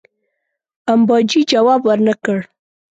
امباجي جواب ورنه کړ.